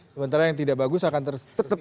sementara yang tidak bagus akan tetap